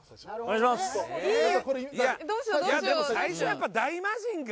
いやでも最初やっぱ大魔神が。